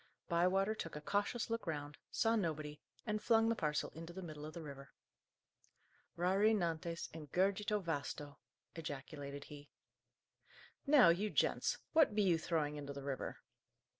Bywater took a cautious look round, saw nobody, and flung the parcel into the middle of the river. "Rari nantes in gurgite vasto!" ejaculated he. "Now, you gents, what be you throwing into the river?"